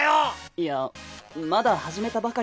いやまだ始めたばかりだし。